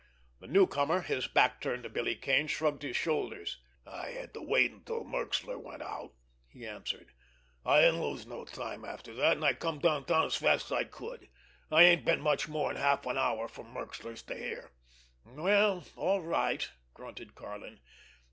The newcomer, his back turned to Billy Kane, shrugged his shoulders. "I had to wait until Merxler went out," he answered. "I didn't lose no time after that, an' I came downtown as fast as I could. I ain't been much more'n half an hour from Merxler's to here." "Well, all right!" grunted Karlin.